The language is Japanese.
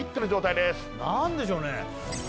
なんでしょうね？